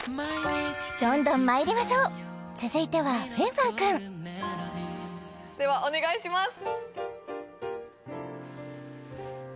どんどんまいりましょう続いては豊凡君ではお願いします